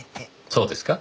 そうですか？